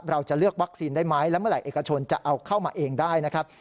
เราจะเลือกวัคซีนได้ไหมและเมื่อไหรเอกชนจะเอาเข้ามาเองได้นะครับ